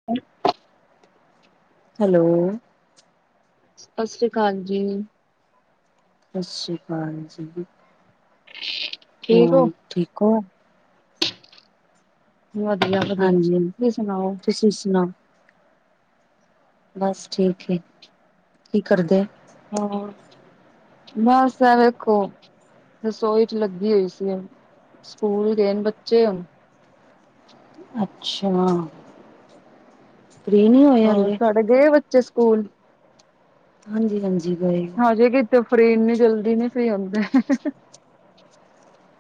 [unintelligible] Hello ਸਤਿ ਸ੍ਰੀ ਅਕਾਲ ਜੀ ਸਤਿ ਸ਼੍ਰੀ ਅਕਾਲ ਜੀ ਠੀਕ ਹੋ ਹਾਂ ਠੀਕ ਹੋ ਵਧੀਆ ਵਧੀਆ ਹਾਂਜੀ ਤੁਸੀਂ ਸੁਣਾਓ ਤੁਸੀਂ ਸੁਣਾਓ ਬਸ ਠੀਕ ਹਾਂ ਕੀ ਕਰਦੇ ਆ ਹੋਰ ਬਸ ਐ ਵੇਖੋ ਰਸੋਈ ਚ ਲੱਗੀ ਹੋਈ ਸੀ ਸਕੂਲ ਗਏ ਨੇ ਬੱਚੇ ਹੁਣ ਅੱਛਾ ਫਰੀ ਨਹੀਂ ਹੋਏ ਹੋਰ ਅਜੇ ਤੁਹਾਡੇ ਗਏ ਬੱਚੇ ਸਕੂਲ ਹਾਂਜੀ ਹਾਂਜੀ ਗਏ ਅਜੇ ਕਿਤੇ ਫਰੀ ਇਨੀ ਜਲਦੀ ਨੀ ਸਹੀ ਆਂਦਾ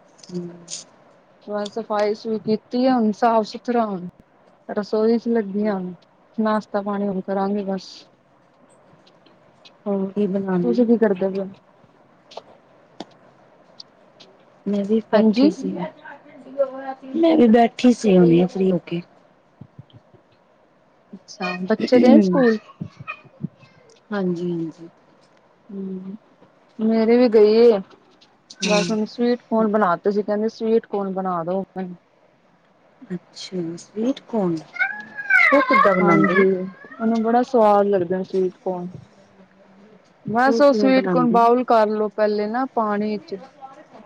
ਹੂ,,, ਸਫ਼ਾਈ ਸਫਈ ਕੀਤੀ ਹੁਣ ਸਾਫ ਸੁਥਰਾ ਹੁਣ ਰਸੋਈ ਚ ਲੱਗੀਆਂ ਨਾਸ਼ਤਾ ਪਾਣੀ ਹੁਣ ਕਰਾਂਗੇ ਬਸ [inaudible] ਹੋਰ ਬਣਾਉਣੇ ਤੁਸੀਂ ਕੀ ਕਰਦੇ ਪਏ ਮੈਂ ਵੀ ਬੈਠੀ ਹਾਂਜੀ ਸੀ ਮੈਂ ਵੀ ਬੈਠੀ ਸੀ ਹੁਣੇ ਫਰੀ ਹੋ ਕੇ ਅੱਛਾ ਬੱਚੇ ਗਏ ਸਕੂਲ ਹਾਂਜੀ ਹਾਂਜੀ ਹੂ ਮੇਰੀ ਵੀ ਗਈ ਹੈ ਬਸ ਹੁਣ ਹਾਂ ਸਵੀਟ ਹੁਣ ਬਣਾ ਤੇ ਸੀ ਕਹਿੰਦੇ ਸਵੀਟ ਕੌਣ ਬਣਾ ਦੋ ਅੱਛਾ ਸਵੀਟ ਕੋਨ ਉਹ ਕਿੱਦਾਂ ਬਣਾਉਂਦੇ ਨੇ ਆਪਾਂ ਨੂੰ ਬੜਾ ਸਵਾਦ ਲੱਗਦਾ ਸਵੀਟ ਕੋਨ ਬਸ ਉਹ ਕਿਵੇਂ ਸਵੀਟ ਕੋਨ ਬਣਾਉਂਦੇ ਬਾਲ ਕਰਲੋ ਪਹਿਲੇ ਨਾ ਪਾਣੀ ਚ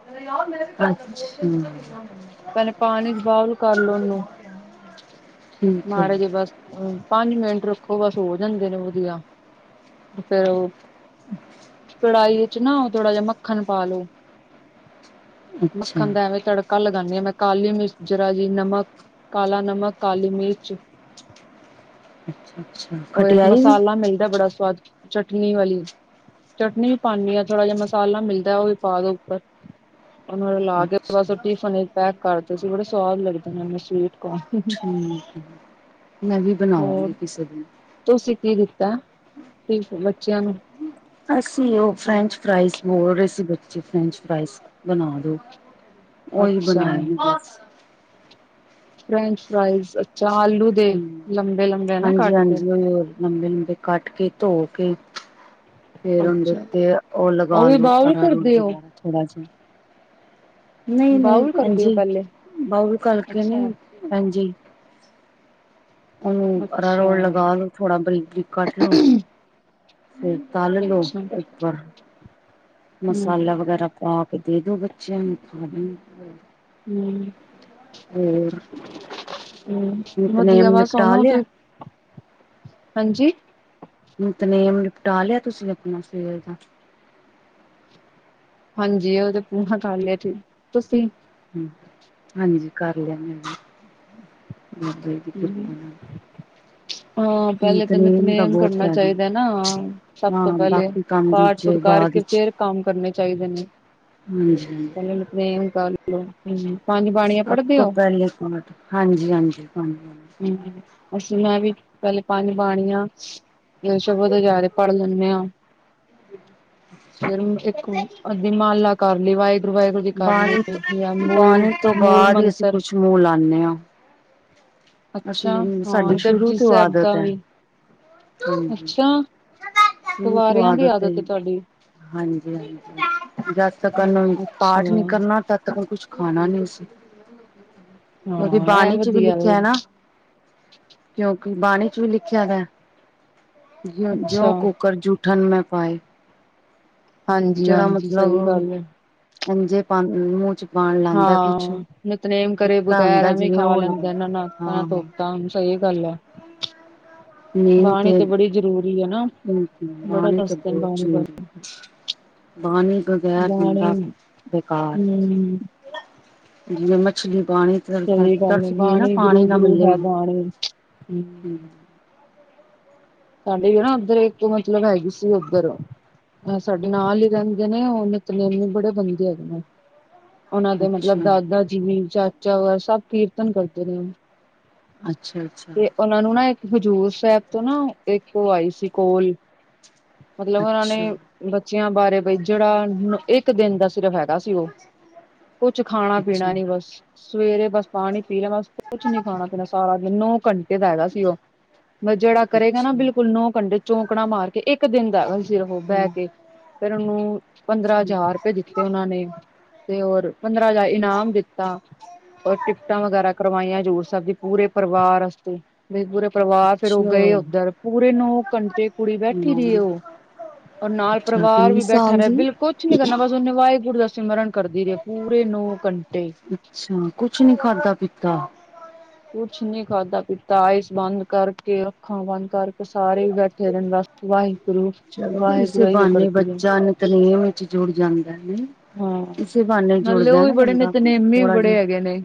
ਅੱ [unintelligible] ਪਹਿਲੇ ਪਾਣੀ ਚ, ਬੋਇਲ ਕਰਲੋ ਉਹਨੂੰ, ਠੀਕ ਹੈ ਮਾੜੇ ਜਿ ਬਸ ਹੂੰ। ਪੰਜ ਮਿੰਟ ਰੱਖੋ। ਬਸ ਹੋ ਜਾਂਦੇ ਨੇ, ਵਧੀਆ, ਫੇਰ ਉਹ। ਕੜਾਹੀ ਵਿੱਚ ਨਾ, ਉਹ ਥੋੜਾ ਜਿਹਾ, ਮੱਖਣ ਪਾ ਲੋੋ। ਅੱਛਾ ਮੱਖਣ ਦਾ, ਐਵੇਂ ਤੜਕਾ ਲੱਗਾ। ਬਣਾਉਣ ਦੀ ਹਾਂ, ਮੈਂ। ਕਾਲੀ ਮਿਰਚ ਜਰਾ ਜੀ, ਨਮਕ, ਕਾਲਾ ਨਮਕ, ਕਾਲੀ ਮਿਰਚ। ਅੱਛਾ। ਅੱਛਾ। ਹੋਰ ਇੱਕ ਖਟਿਆਈ ਵੀ ਮਸਾਲਾ ਮਿਲਦਾ ਬੜਾ ਸੁਵਾਦ ਚਟਨੀ ਵਾਲੀ ਚਟਨੀ ਵੀ ਪਾਉਦੀ ਹੈ ਥੋੜਾ ਜਹਾ ਮਸਾਲਾ ਮਿਲਦਾ ਉਹ ਵੀ ਪਾ ਦੋ ਉੱਪਰ ਉਹ ਲਾ ਕੇ ਬਸ ਉਹ ਅੱਛਾ ਟਿਫਨ ਪੈਕ ਕਰਦੇ ਸੀ ਬੜੇ ਸਵਾਦ ਲੱਗਦੇ ਮੈਨੂੰ ਸਵੀਟ ਕੋਨ ਹੂ ਮੈਂ ਵੀ ਹੋਰ ਬਣਾਵਾਂਗੀ ਕਿਸੇ ਦਿਨ ਤੁਸੀਂ ਕੀ ਦਿੱਤਾ ਹੈ, ਆਪਣੇ ਬੱਚਿਆਂ ਨੂੰ? ਅਸੀਂ ਉਹ, ਫਰੈਂਚ- ਫਰਾਈਜ਼ ਬੋਲ ਰਹੇ ਸੀ, ਬੱਚੇ। ਫਰੈਂਚ ਫਰਾਈਜ਼ ਬਣਾ ਦੋ। ਉਹੀ, ਅੱਛਾ ਬਣਾਏ ਨੇ। ਫਰੈਂਚ ਫਰਾਾਈਜ਼, ਅੱਛਾ ਆਲੂ ਦੇ ਹੂੰ। ਲੰਬੇ ਲੰਬੇ ਨਾ ਹਾਂਜੀ- ਕੱਟ ਕੇ ਹਾਂਜੀ, ਉਹ ਹੋ ਲੰਬੇ- ਲੰਬੇ, ਕੱਟ ਕੇ, ਧੋ ਕੇ। ਫੇਰ ਉਹਦੇ ਅੱਛਾ ਉੱਤੇ, ਉਹ ਲਗਾ ਵੀ ਲੋ, ਬਾਊਲ ਅਰਾਰੂੜ ਕਰਦੇ ਹੋ ਵਗੈਰਾ ਥੋੜਾ ਜਿਹਾ। ਨਹੀਂ- ਨਹੀਂ, ਬਾਊਲ ਕਰਦੇ ਹੋ ਐਨਜੀ, ਪਹਿਲੇ ਬਊਲ ਕਰਕੇ ਅੱਛਾ ਨਹੀਂ ਐਨ ਜੀ। ਉਹਨੂੰ ਆਰਾ- ਅੱਛਾ ਰੋਟ ਲਗਾ ਲੋੋ, ਥੋੜਾ। ਬਰੀਕ- ਬਰੀਕ ਕੱਟ ਲੋੋ। ਫੇਰ ਤੱਲ ਲਓ, ਅੱਛਾ ਹਮ ਇੱਕ ਵਾਰ। ਮਸਾਲਾ, ਵਗੈਰਾ ਪਾ ਕੇ, ਦੇ ਦੋ, ਬੱਚਿਆਂ ਨੂੰ, ਖਾ ਲੇਨਗੇ। ਹੂੰ। ਹੂੰ। ਨਿਤਨੇਮ ਵਧੀਆ ਵਸ ਨਿਪਟਾ ਉਹਨੂੰ ਲਿਆ ਤੇ ਹਾਂਜੀ ਨਿਤਨੇਮ, ਨਿਪਟਾ ਲਿਆ। ਤੁਸੀਂ ਆਪਣਾ ਸਵੇਰ ਦਾ। ਹਾਂਜੀ। ਉਹ ਤੇ ਕਰ ਲਿਆ। ਠੀਕ, ਤੁਸੀਂ? ਹਾਂਜੀ। ਕਰ ਲਿਆ ਮੈਂ ਵੀ। ਹਮ [unintelligible] ਹਾਂ, ਪਹਿਲੇ ਤੇ, ਨਿਤਨੇਮ ਦਾ ਨਿੱਤਨੇਮ ਬਹੁਤ ਕਰਨਾ ਫਾਇਦਾ ਚਾਹੀਦਾ ਨਾ, ਹਾ। ਸਭ ਹਾਂ ਤੋਂ ਪਹਿਲੇ, ਬਾਕੀ ਕੰਮ ਪਾਠ- ਪੂਟ ਦੂਜੇ ਬਾਅਦ ਕਰਕੇ ਵਿੱਚ ਫੇਰ, ਕੰਮ ਕਰਨੇ ਚਾਹੀਦੇ ਨੇ। ਹਾਂਜੀ- ਹਾਂਜੀ। ਨਿਯਮ ਕਰ ਲਓ, ਪੰਜ ਬਾਣੀਆਂ ਸਭ ਪੜਦੇ ਹੋ? [unintelligible] ਹਾਂਜੀ, ਹਾਂਜੀ- ਹਾਂਜੀ। ਹੂੰ, ਅਸੀਂ ਮੈਂ ਵੀ, ਪਹਿਲੇ ਪੰਜ ਬਾਣੀਆ ਫੇਰ, ਸ਼ਬਦ ਹਜਾਰੇ, ਪੜ ਲੈਂਦੇ ਆ। [unintelligible] ਫੇਰ ਇੱਕ, ਅਦੀ ਮਾਲਾ, ਕਰ ਲਈ ਵਾਹਿਗੁਰੂ, ਵਾਹਿਗੁਰੂ ਜੀ ਕਰ ਲਈ। ਯਾਂ ਮੂਲ ਓਸ ਤੋਂ ਮੂਲ ਬਾਅਦ ਹੀ, ਅਸੀਂ ਮੰਤਰ ਕੁਛ ਮੂੰਹ ਲਾਦੇ ਹਾਂ। ਅੱਛਾ। ਅਸੀਂ ਹਾਂ, ਸਾਡੀ ਸ਼ੁਰੂ ਜਪਜੀ ਤੋਂ ਸਾਹਿਬ, ਆਦਤ ਦਾ ਹੈ ਵੀ। ਹਾਂਜੀ ਅੱਛਾ। ਕੁਵਾਰਿਆਂ ਦੀ, ਆਦਤ ਏ ਤੁਹਾਡੀ। ਹਾਂਜੀ-ਹਾਂਜੀ, ਜਦ ਤਕਨ ਪਾਠ ਅੱਛਾ ਨੀ, ਕਰਨਾ ਤਾਂ ਉਹ, ਕੁਛ ਖਾਣਾ ਨੀ ਸੀ। ਕਿਉਕਿ ਹਾਂ ਇਹ ਬਾਣੀ ਚ, ਵੀ ਵਧੀਆ ਲਿਖਿਆ ਵੇ ਹੇ ਨਾ। ਕਿਉਂਕਿ, ਬਾਣੀ ਚ ਵੀ, ਲਿਖਿਆ ਦਾ ਹ। ਅੱਛਾ, ਜਿਉਂ ਕੁਕਰ ਜੂ ਉੱਠਣ ਮੈਂ ਪਾਏ, ਜਿਹੜਾ ਹਾਂਜੀ-ਹਾਂਜੀ ਸਹੀ ਮਤਲਬ ਗੱਲ ਏ। ਅੰਜੇ ਪਾ ਮੂੰਹ ਚ ਪਾਣ ਲਾਦਾ ਕੁਛ ਹਾਂ, ਨਤਨੇਮ ਕਰੇ ਕੁੱਤਾ ਬਗੈਰ, ਹੁੰਦਾ ਐਵੇਂ ਜਿਵੇਂ ਖਾ ਉਹ ਲਗਾ ਲੈਂਦੇ ਇਹ। ਨਾਲ ਮੈਂ ਹਾਂ ਹਾਂ ਤੋਪਤਾ ਹੁ। ਸਹੀ ਗੱਲ ਹੈ ਬਾਣੀ ਤੇ, ਬੜੀ ਜਰੂਰੀ ਹੈ। ਨਾ ਹਾਂਜੀ, ਬੜਾ ਬਾਣੀ ਤੇ ਦੱਸਦੇ ਨੇ ਬਹੁਤ, ਬਾਣੀ ਬਾਰੇ। ਜਰੂਰੀ ਹੈ। ਬਾਣੀ ਬਗੈਰ, ਬਾਣੀ ਬੰਦਾ ਬੇਕਾਰ। ਹੂੰ, ਜਿਵੇਂ ਮੱਛਲੀ, ਪਾਣੀ ਸਹੀ ਗੱਲ ਐ ਤਰਸਦੀ ਏ ਨਾ, ਬਾਣੀ ਪਾਣੀ ਨਾ ਗੁਰੂ-ਗੁਰੂ ਮਿਲੇ, ਹੈ ਉਹਨੂੰ ਬਾਣੀ। ਹੂੰ, ਹ ਸਾਡੇ ਵੀ ਨਾ, ਉੱਧਰ ਇੱਕ ਮਤਲਬ ਹੈਗੀ ਸੀ। ਉੱਧਰ ਹਹ ਸਾਡੇ ਨਾਲ ਹੀ ਰਹਿੰਦੇ ਨੇ ਉਹ ਨਿਤਨੇਮੀ ਬੜੇ ਬੰਦੇ ਹੈਗੇ ਨੇ ਉਹਨਾਂ ਦੇ ਮਤਲਬ ਅੱਛਾ, ਦਾਦਾ ਜੀ ਚਾਚਾ ਵਗੈਰਾ ਸਭ ਕੀਰਤਨ ਕਰਦੇ ਨੇ ਅੱਛਾ- ਅੱਛਾ ਤੇ ਉਹਨਾ ਨੂੰ ਨਾ ਹਜ਼ੂਰ ਸਾਹਿਬ ਤੋਂ ਨਾ ਇੱਕ ਉਹ ਆਈ ਸੀ ਕੋਲ ਮਤਲਬ ਉਹਨਾਂ ਨੇ ਅੱਛਾ, ਬੱਚਿਆਂ ਬਾਰੇ ਬਈ ਜਿਹੜਾ ਇੱਕ ਦਿਨ ਦਾ ਸਿਰਫ ਹੈਗਾ ਉਹ ਕੁਛ ਖਾਣਾ- ਅੱਛਾ, ਪੀਣਾ ਨੀ ਬਸ ਸਵੇਰੇ ਬਸ ਪਾਣੀ ਪੀ ਲਿਆ ਬਸ ਕੁਛ ਨੀ ਖਾਣਾ- ਪੀਣਾ ਸਾਰਾ ਜ ਨੌ ਘੰਟੇ ਦਾ ਹੈਗਾ ਸੀ ਉਹ ਬਸ ਜਿਹੜਾ ਕਰੇਗਾ ਨਾ ਅੱਛਾ, ਹੂੰ, ਬਿਲਕੁਲ ਨੋ ਘੰਟੇ ਚੌਕਣਾ ਮਾਰ ਕੇ ਇੱਕ ਦਿਨ ਦਾ ਹੈਗਾ ਸੀ ਸਿਰਫ ਉਹ ਬਹਿ ਹੂੰ, ਕੇ ਫਿਰ ਉਹਨੂੰ ਪੰਦਰਾਂ ਹਜ਼ਾਰ ਦਿੱਤੇ ਉਹਨਾਂ ਨੇ ਤੇ ਹੋਰ ਪੰਦਰਾਂ ਹਜ਼ਾਰ ਇਨਾਮ ਦਿੱਤਾ ਟਿਕਟਾਂ ਵਗੈਰਾ ਕਰਵਾਈਆਂ ਹਜ਼ੂਰ ਸਾਹਿਬ ਦੀ ਪੂਰੇ ਪਰਿਵਾਰ ਵਾਸਤੇ ਪੂਰੇ ਪਰਿਵਾਰ ਫੇਰ ਉਹ ਅੱਛਾ, ਗਏ ਉੱਧਰ ਪੂਰੇ ਨੋ ਘੰਟੇ ਕੁੜੀ ਬੈਠੀ ਰਹੀ ਹਾਂ, ਉਹ ਔਰ ਨਾਲ ਅੱਛਾ ਪਰਿਵਾਰ ਕਿੰਨੇ ਵੀ ਬੈਠਾ ਸਾਲ ਰਿਹਾ ਦੀ? ਬਿਲਕੁਲ ਕੁਛ ਨੀ ਕਰਨਾ ਬਸ ਉਹਨੇ ਵਾਹਿਗੁਰ ਦਾ ਸਿਮਰਨ ਕਰਦੀ ਰਹੀ ਪੂਰੇ ਨੋ ਘੰਟੇ ਅੱਛਾ ਕੁਛ ਨੀ ਖਾਦਾ ਪੀਤਾ ਕੁਛ ਨੀ ਖਾਦਾ ਪੀਤਾ ਆਈਸ ਬੰਦ ਕਰਕੇ ਅੱਖਾਂ ਬੰਦ ਕਰਕੇ ਸਾਰੇ ਬੈਠੇ ਰਹੇ ਬਸ ਵਾਹਿਗੁਰੂ ਚਲੋ ਇਸ ਵਾਹਿਗੁਰੂ ਇਹੀਓ ਬਹਾਨੇ ਕਰਦੇ ਰਹੇ ਬੱਚਾ ਨਿਤਨੇਮ ਵਿੱਚ ਜੁੜ ਜਾਂਦਾ ਨਈ ਹਾਂ ਇਸੇ ਬਹਾਨੇ ਨਾਲੇ ਜੁੜਦਾ ਉਹ ਵੀ ਨਾ ਬੜੇ ਬੰਦਾ ਨਿਤਨੇਮੀ ਵੀ ਥੋੜ੍ਹਾ ਜਿਹਾ ਬੜੇ ਹੈਗੇ ਨੇ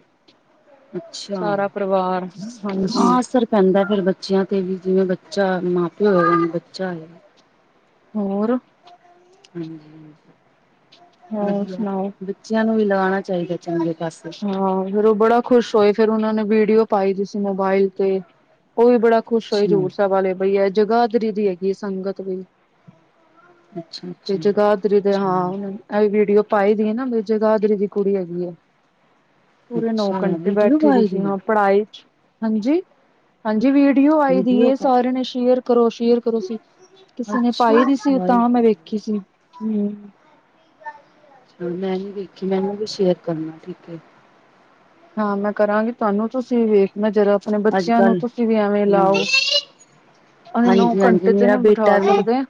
ਅੱਛਾ ਸਾਰਾ ਪਰਿਵਾਰ ਹਾਂਜੀ ਹਾਂ। ਪੈਂਦਾ ਫੇਰ ਬੱਚਿਆਂ ਤੇ ਵੀ ਜਿਵੇਂ ਬੱਚਾ ਮਾਂ ਪਿਓ ਹੈਗਾ ਬੱਚਾ ਆਏਗਾ। ਹੋਰ। ਹਾਂ [unintelligible] ਹੋਰ ਵਦੀਆਂ ਸੁਣਾਓ ਬੱਚਿਆਂ ਨੂੰ ਵੀ ਲਗਾਣਾ ਚਾਹੀਦਾ ਚੰਗੇ ਪਾਸੇ ਹਾਂ ਫੇਰ ਉਹ ਬੜਾ ਖੁਸ਼ ਹੋਏ। ਫੇਰ ਉਹਨਾ ਨੇ ਵੀਡੀਓ ਪਾਈ ਸੀ ਮੋਬਾਇਲ ਤੇ। ਉਹ ਵੀ ਬੜਾ ਕੁੁਸ਼ ਹੋਏ ਅੱਛਾ। ਦੂਰ ਸਾਹਿਬ ਵਾਲੇ ਬਈ ਇਹ ਜਗਾਦਰੀ ਦੀ ਹੈਗੀ ਸੰਗਤ ਬਈ। ਅੱਛਾ ਤੇ ਅੱਛਾ। ਜਗਾਦਰੀ ਦੇ ਹਾਂ ਉਹ ਇਹ ਵੀਡੀਓ ਪਾਾਈ ਦੀ ਹੈ ਨਾ ਬ ਜਗਾਦਰੀ ਦੀ ਕੁੜੀ ਹੈਗੀ ਆ। ਠੀਕ। ਪੂਰੇ ਨੌ ਅੱਛਾ ਘੰਟੇ ਵੀਡੀਓ ਬੈਠੀ ਦੀ ਪਾਈ ਸੀ ਹੈ। ਹਾਂ। ਪੜ੍ਹਾਈ ਚ ਹਾਂਜੀ ਹਾਂਜੀ ਵੀਡੀਓ ਆਈ ਵੀਡੀਓ ਦੀ ਕਾ ਸਾਰਿਆਂ ਨੇ ਸ਼ੇਅਰ ਕਰੋ ਸ਼ੇਅਰ ਕਰੋ ਸੀ। ਕਿਸੇ ਨੇ ਅੱਛਾ ਪਾਈ ਦੀ ਸੀ ਤਾਂ ਮੈਂ ਵਾਹਿਗੁਰੂ ਵੇਖੀ ਸੀ ਹੂੰ [unintelligible] ਮੈਂ ਨੀ ਵੇਖੀ ਮੈਂ ਵੀ ਸ਼ੇਅਰ ਕਰਨਾ ਠੀਕ ਐ। ਹਾਂ ਮੈਂ ਕਰਾਂਗੀ ਤੁਹਾਨੂੰ ਤੁਸੀਂ ਵੇਖਣਾ ਜਦੋਂ ਆਪਣੇ ਅੱਜ ਬੱਚਿਆਂ ਨੂੰ ਕੱਲ੍ਹ ਤੁਸੀਂ ਵੀ ਐਵੇਂ ਲਾਓ। ਅਸੀਂ ਨੌ ਹਾਂਜੀ-ਹਾਂਜੀ ਘੰਟੇ ਤੇ ਮੇਰਾ ਨਹੀਂ ਬਿਠਾ ਬੇਟਾ ਵੀ। ਸਕਦੇ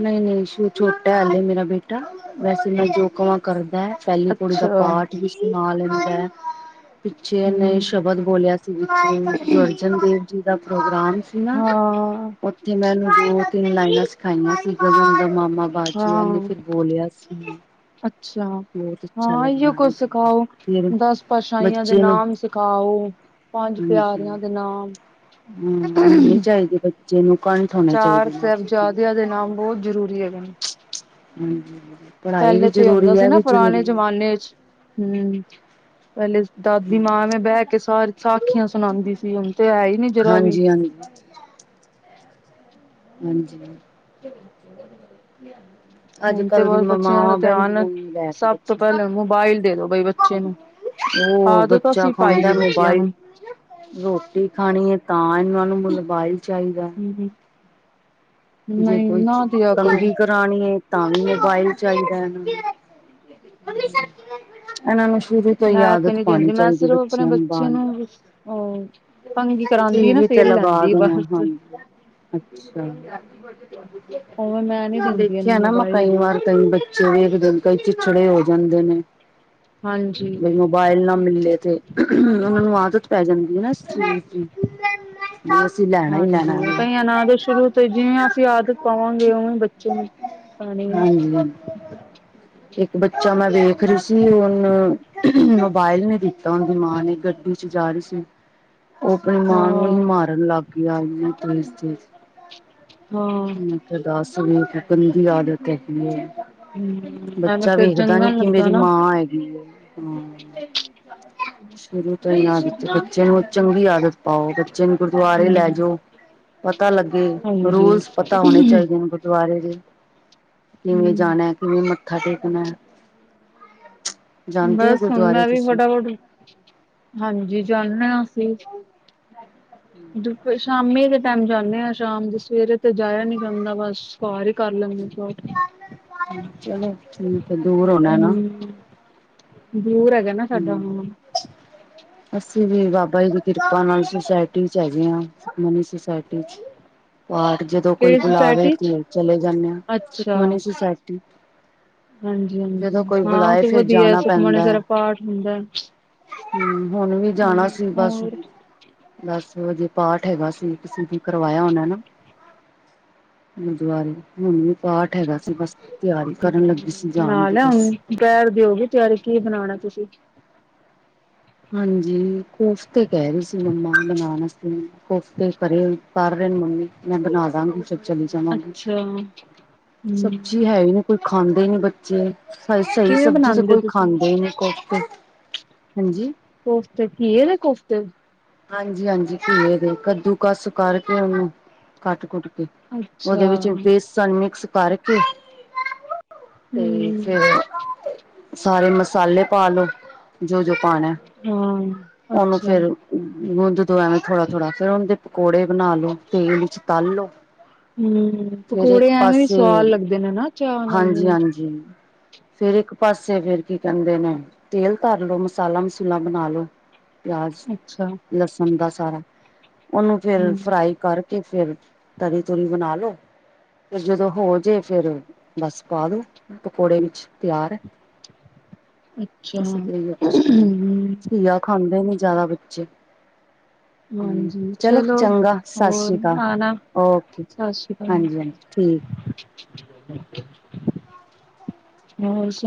ਨਹੀਂ ਨਹੀਂਸ਼ੂ ਛੋਟਾ ਹਾਲੇ ਮੇਰਾ ਬੇਟਾ ਵੈਸੇ ਮੈਂ ਜੋ ਕਵਾਂ ਕਰਦਾ ਏ। ਪਹਿਲੀ ਪੋੜੀ ਦਾ ਅੱਛਾ ਪਾਠ ਵੀ ਸੁਣਾ ਲੈਂਦਾ ਏ। ਪਿੱਛੇ ਨ ਹੂੰ, ਸ਼ਬਦ ਬੋਲਿਆ ਸੀ, ਗੁਰੂ ਅਰਜਨ ਦੇਵ ਜੀ ਦਾ ਪ੍ਰੋਗਰਾਮ ਸੀ ਨਾ। ਹਾਂ। ਉੱਥੇ ਮੈਂ ਇਹਨੂੰ ਦੋ ਤਿੰਨ ਲਾਈਨਾਂ ਸਿਖਾਈਆਂ ਸੀ [unintelligible] ਹਾਂ, ਫਿਰ ਬੋਲਿਆ ਸੀ। ਅੱਛਾ ਬਹੁਤ ਅੱਛਾ ਹਾਂ। ਲੱਗਿਆ ਇਓ ਕੁਛ ਹਾਂਜੀ ਸਿਖਾਓ ਫਿਰ ਦਸ ਪਾਤਸ਼ਾਈਆਂ ਦੇ ਬੱਚੇ ਨੂੰ ਨਾਮ ਸਿਖਾਓ ਪੰਜ ਪਿਆਰਿਆਂ ਦੇ ਨਾਮ। ਹੂੰ ਹੋਣੀ ਚਾਹੀਦੀ ਬੱਚ। ਚੇ ਨੂੰ ਕੰਠ ਹੋਣੇ ਚਾਰ ਚਾਹੀਦੇ ਨੇ ਚੀਜ਼ ਸਾਹਿਬਜ਼ਾਦਿਆਂ ਦੇ ਨਾਮ ਬਹੁਤ ਜ਼ਰੂਰੀ ਹੈਗੇ ਨੇ। ਹੂੰ ਹੂੰ ਪਹਿਲੇ ਤੇ ਹੁੰਦਾ ਸੀ ਨਾ ਪੁਰਾਣੇ ਜਮਾਨੇ ਚ ਹੂੰ ਪਹਿਲੇ ਦਾਦੀ ਮਾਂ ਮੈਂ ਬਹਿ ਕੇ ਸ ਸਾਖੀਆਂ ਸੁਣਾਉਂਦੀ ਸੀ ਹੁਣ ਤੇ ਹੈ ਹੀ ਨੀ ਜਰਾ ਵੀ ਹਾਂਜੀ ਹਾਂਜੀ। ਹਾਂਜੀ। ਅੱਜ ਹੁਣ ਤੇ ਕੱਲ ਦੀ ਬਸ ਮ ਬੱਚਿਆਂ ਦਾ ਮਾਂ ਧਿਆਨ ਬਹਿੰਦੀਆਂ ਨੀ ਲੈ ਕੇ ਸਭ ਤੋਂ ਪਹਿਲਾਂ ਮੋਬਾਇਲ ਦੇ ਦੋ ਬਈ ਬੱਚੇ ਨੂੰ ਹੋਰ ਆਦਤ ਬੱਚਾ ਅਸੀਂ ਪਾਈ ਖਾਂਦਾ ਏ ਬੱਚਿਆਂ ਨੂੰ। ਮੋਬਾਈਲ ਰੋਟੀ ਖਾਣੀ ਐ ਤਾਂ ਇਹਨਾ ਨੂੰ ਮਲਬਾਈਲ ਚਾਈਦਾ। ਨਹੀਂ ਕੋਈ ਨਾ ਦਿਆ ਕਰੋ [unintelligible] ਹੈ ਤਾਂ ਵੀ ਮੋਬਾਈਲ ਚਾਹੀਦਾ ਇਹਨਾਂ ਨੂੰ ਹੂੰ। ਇਹਨਾਂ ਨੂੰ ਸ਼ੁਰੂ ਤੋਂ ਹੀ ਆਦਤ ਪਾਣੀ ਦਿੰਦੀ ਮੈਂ ਚਾਹੀਦੀ, ਸਿਰਫ ਆਪਣੇ ਬੱਚਿਆਂ ਨੂੰ ਬੱਚੇ ਅ ਬਾਣੀ ਤੰਗੀ ਕਰਾਂਦੀ ਟੀ ਨਾ ਵੀ ਤੇ ਫੇਰ ਲਗਾ ਲੈਂਦੀ ਦੇਣਾ। ਬਸ ਹਂ, ਅੱਛਾ ਉਵੇਂ ਮੈਂ ਨੀ ਦਿੰਦੀ ਇਹਨੂੰ ਦੇਖਿਆ ਨਾ ਮੈਂ ਮੋਬਾਇਲ ਕਈ ਵਾਰ। ਕਈ ਬੱਚੇ ਵੀ ਕਈ ਦਿਨ ਕਈ ਚਿਛੜੇ ਹੋ ਜਾਂਦੇ ਨੇ। ਹਾਂਜੀ ਬਾਇਲ ਨਾ ਮਿਲੇ ਤੇ ਉਹਨਾ ਨੂੰ ਆਦਤ ਪੈ ਜਾਂਦੀ ਹੈ ਨ ਇਸ ਚੀਜ਼ ਦੀ [unintelligible] ਲੈਣਾ ਹੀ ਲੈਣਾ। ਨਾ ਦੇ ਸ਼ੁਰੂ ਤੋਂ ਜਿਵੇਂ ਅਸੀਂ ਆਦਤ ਪਾਵਾਂਗੇ ਉਵੇਂ ਬੱਚੇ ਨੂੰ ਪਾਣੀ ਆ ਹਾਂਜੀ ਇੱਕ ਬੱਚਾ ਮੈਂ ਵੇਖ ਰਹੀ ਸੀ ਉਹਨੂੰ ਮੋਬਾਇਲ ਨੀ ਦਿੱਤਾ ਉਹਦੀ ਮਾਂ ਨੇ ਗੱਡੀ ਚ ਜਾ ਰਹੀ ਸੀ ਉਹ ਆਪਣੀ ਮਾਂ ਨੂੰ ਈ ਹਾਂ ਮਾਰਨ ਲੱਗ ਗਿਆ [unintelligible] ਹਾਂ ਮੈਂ ਦੱਸ ਹੁਣ ਗੰਦੀ ਆਦਤ ਹੈ ਹਮ ਐਵੇਂ ਬੱਚਾ ਫਿਰ ਵੇਖਦਾ ਚੰਗਾ ਨੀ ਕਿ ਲੱਗਦਾ ਮੇਰੀ ਨਾ ਮਾਂ ਹੇਗੀ ਐ ਹਮ ਸ਼ੁਰੂ ਤੋਂ ਇਹਨਾਂ ਵਿੱਚ ਬੱਚੇ ਨੂੰ ਚੰਗੀ ਆਦਤ ਪਾਓ ਬੱਚੇ ਨੂੰ ਗੁਰਦੁਆਰੇ ਹਮ ਲੈ ਜਾਓ ਪਤਾ ਲੱਗੇ ਹਾਂਜੀ ਰੋਜ਼ ਪਤਾ ਹੋਣੇ ਚਾਹੀਦੇ ਨੇ ਗੁਰਦੁਆਰੇ ਦੇ ਕਿਵੇਂ ਹਮ ਜਾਣਾ ਕਿਵੇਂ ਮੱਥਾ ਟੇਕਣਾ ਜਾਂਦੇ ਹੋ ਬਸ ਹੁਣ ਗੁਰਦੁਆਰੇ ਮੈਂ ਵੀ ਤੁਸੀਂ ਫਟਾਫਟ ਹਾਂਜੀ ਜਾਣਦੇ ਹਾਂ ਅਸੀਂ ਦੁਪ ਸ਼ਾਮੀ ਦੇ ਟਾਈਮ ਜਾਂਦੇ ਹਾਂ ਸ਼ਾਮ ਦੇ ਸਵੇਰੇ ਤੇ ਜਾਇਆ ਨੀ ਜਾਂਦਾ ਬਸ। ਬਾਰ ਈ ਕਰ ਲਾਂ ਚਲੋ ਠੀਕ ਐ ਦੂਰ ਹੁਣਾ ਐ ਨਾ ਹਮ ਦੂਰ ਹੈਗਾ ਨਾ ਸਾਡਾ ਹਮ ਹਂ ਅਸੀਂ ਵੀ ਬਾਬਾ ਜੀ ਦੀ ਕਿਰਪਾ ਨਾਲ ਸੁਸਾਇਟੀ ਚ ਹੈਗੇ ਹਾਂ ਮਨੀ ਸੁਸਾਇਟੀ ਚ। ਬਾਰ ਜਦੋਂ ਕੋਈ ਕਿਹੜੀ ਬੁਲਾਵੇ ਸੁਸਾਇਟੀ ਚ ਤੇ ਚਲੇ ਜਾਂਨੇ ਆ ਅੱਛਾ ਸੁਖਮਨੀ ਸੁਸਾਇਟੀ ਹਾਂਜੀ ਹਾਂਜੀ ਜਦੋਂ ਕੋਈ ਹਾਂ ਬੁਲਾਏ ਤੇ ਫਿਰ ਵਧੀਆ ਜਾਣਾ ਸੁਖਮਨੀ ਪੈਂਦਾ ਹੈ ਸਾਰਾ ਪਾਠ ਹੁੰਦਾ ਹਮ ਹੁਣ ਵੀ ਜਾਣਾ ਹਮ ਸੀ ਬਸ ਹੋਰ ਦਸ ਵਜੇ ਪਾਠ ਹੈਗਾ ਸੀ ਕਿਸ ਨੇ ਕਰਵਾਇਆ ਹੁੰਣਾ ਐ ਨਾਂ। ਗੁਰਦੁਆਰੇ ਹੁਣ ਵੀ ਪਾਠ ਹੈਗਾ ਸੀ ਬਸ ਤਿਆਰੀ ਕਰਨ ਲੱਗੀ ਸੀ ਜਾਣ ਦੀ ਬਸ ਬੈਰ ਦਿਓਗੇ ਤਿਆਰੀ ਕੀ ਬਣਾਉਣਾ ਤੁਸੀਂ ਹਾਂਜੀ ਕੋਫਤੇ ਕਹਿ ਰਹੀ ਸੀ ਮੰਮਾ ਬਣਾਨ ਆਸਤੇ ਕੋਫਤੇ ਧਰੇ ਹੋਏ ਕਰ ਰਹੇ ਮੰਮੀ ਮੈਂ ਬਣਾ ਦਾਂਗੀ। [unintelligible] ਅੱਛਾ ਹਮ ਸਬਜ਼ੀ ਹੈ ਹੀ ਨੀ ਕੋਈ ਖਾਂਦੇ ਨੀ ਬੱਚੇ ਸਹੀ ਸਹੀ ਕਿਵੇਂ ਸਬਜ਼ੀ ਤੇ ਬਣਾਉਂਦੇ ਕੋਈ ਤੁਸੀਂ ਖਾਂਦੇ ਨੀ ਕੁਛ [unintelligible] ਹਾਂਜੀ ਕੋਫਤੇ ਘੀਏ ਦੇ ਕੋਫਤੇ। ਹਾਂਜੀ ਹਾਂਜੀ ਘੀਏ ਦੇ ਕੱਦੂ ਕੱਸ ਕਰਕੇ ਉਹਨੂੰ ਕੱਟ ਕੁੱਟ ਕੇ ਉਹਦੇ ਅੱਛਾ ਵਿੱਚ ਹਮ ਬੇਸਣ ਮਿਕਸ ਕਰਕੇ ਤੇ ਫੇਰ [unintelligible] ਸਾਰੇ ਮਸਾਲੇ ਪਾ ਲੋੋ ਜੋ ਜੋ ਪਾਣਾ ਹਾਂ ਉਹਨੂੰ ਅੱਛਾ ਫੇਰ ਗੁੰਦ ਦੋ ਐਵੇਂ ਥੋੜਾ ਥੋੜਾ ਫੇਰ ਉਹਦੇ ਦੇ ਪਕੌੜੇ ਬਣਾ ਲੋ ਤੇਲ ਵਿੱਚ ਤਲ ਲੋ ਹੂੰ, ਫੇਰ ਪਕੌੜੇ ਇੱਕ ਐਵੇਂ ਵੀ ਪਾਸੇ ਸਵਾਦ ਲੱਗਦੇ ਨੇ ਨਾ ਚਾਹ ਨਾਲ ਹਾਂਜੀ ਹੂੰ, ਹਾਂਜੀ ਫੇਰ ਇੱਕ ਪਾਸੇ ਫੇਰ ਕੀ ਕਹਿੰਦੇ ਨੇ ਤੇਲ ਧਰ ਲੋੋ ਮਸਾਲਾ ਮਸੂਲਾ ਬਣਾ ਲੋੋ ਪਿਆਜ਼ ਅੱਛਾ ਲਸਣ ਦਾ ਸਾਰਾ ਉਹਨੂੰ ਫੇਰ ਹੂੰ, ਫਰਾਈ ਕਰ ਕੇ ਫੇਰ ਤਰੀ ਤੁਰੀ ਬਣਾ ਲੋੋ ਫਿਰ ਜਦੋਂ ਹੋ ਜੇ ਫੇਿਰ ਬਸ ਪਾ ਦੋ ਪਕੌੜੇ ਵਿੱਚ ਤਿਆਰ ਹੈ ਅੱਛਾ ਅਸੀਂ ਤੇਹੀਓ ਕੁਛ ਕਰੀ ਹੂੰ, ਕੀ ਯ ਖਾਂਦੇ ਨੀ ਜ਼ਿਆਦਾ ਬੱਚੇ ਹੂੰ, ਹਾਂਜੀ ਚਲੋ ਚੰਗਾ ਸਤਿ ਸ੍ਰੀ ਹੋਰ ਅਕਾਲ। ਆਣਾ ਓਕੇ, ਸਤਿ ਸ੍ਰੀ ਅਕਾਲ- ਹਾਂਜੀ-ਹਾਂਜੀ ਠੀਕ। ਹੋਰ ਸੁ